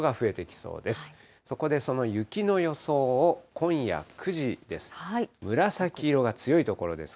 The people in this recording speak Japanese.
そこでその雪の予想を、今夜９時です。